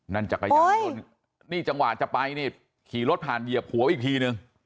จักรยานยนต์นี่จังหวะจะไปนี่ขี่รถผ่านเหยียบหัวอีกทีนึง